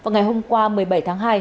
ngày hôm qua một mươi bảy tháng hai